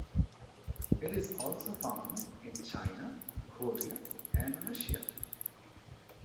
It is also found in China, Korea and Russia.